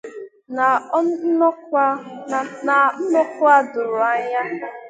Na nkọwa doro anya